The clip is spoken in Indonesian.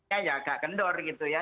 ya ya agak kendor gitu ya